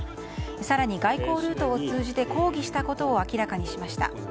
更に、外交ルートを通じて抗議したことを明らかにしました。